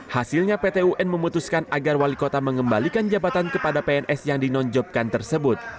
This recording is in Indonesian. hasilnya pt un memutuskan agar wali kota mengembalikan jabatan kepada pns yang dinonjopkan tersebut